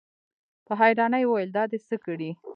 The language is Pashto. په حيرانۍ يې وويل: دا دې څه کړي؟